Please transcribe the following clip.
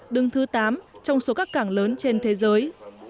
đứng thứ tám trong số các cảng lớn trên thế giới